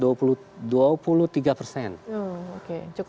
oh oke cukup besar ya pak ya